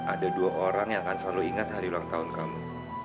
ada dua orang yang akan selalu ingat hari ulang tahun kamu